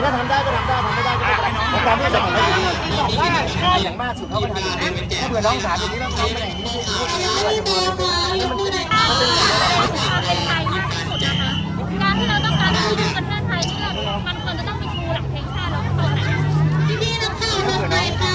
แต่มันเป็นการแสดงที่เราแตกต่างจากประเทศอื่นอีก